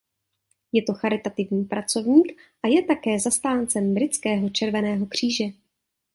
Je to charitativní pracovník a je také zastáncem britského Červeného kříže.